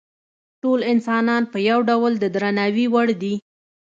ټول انسانان په یو ډول د درناوي وړ دي.